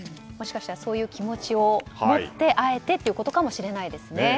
もしかしたらそういう気持ちを持ってあえてということかもしれませんね。